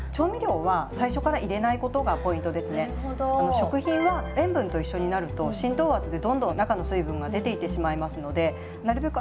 食品は塩分と一緒になると浸透圧でどんどん中の水分が出ていってしまいますのでなるべく